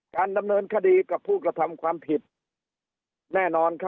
การดำเนินคดีกับผู้กระทำความผิดแน่นอน